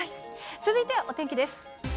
続いてはお天気です。